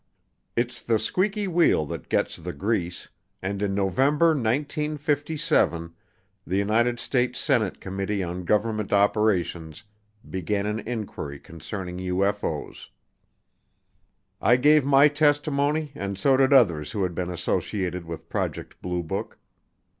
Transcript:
It's the squeaky wheel that gets the grease and in November 1957, the United States Senate Committee on Government Operations began an inquiry concerning UFO's. I gave my testimony and so did others who had been associated with Project Blue Book.